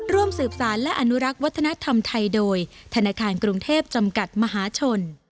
ร่วมสืบสารและอนุรักษ์วัฒนธรรมไทยโดยธนาคารกรุงเทพจำกัดมหาชน